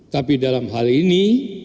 tapi dalam hal ini